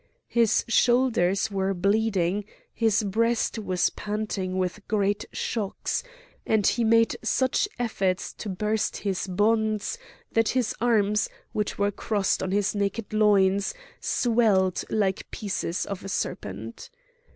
His shoulders were bleeding, his breast was panting with great shocks; and he made such efforts to burst his bonds that his arms, which were crossed on his naked loins, swelled like pieces of a serpent.